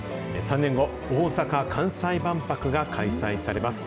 ３年後、大阪・関西万博が開催されます。